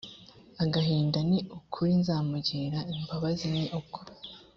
agahinda ni ukuri nzamugirira imbabazi ni ko